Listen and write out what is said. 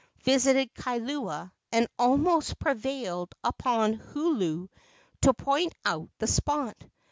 visited Kailua and almost prevailed upon Hoolulu to point out the spot.